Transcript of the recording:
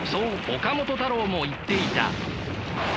岡本太郎も言っていた。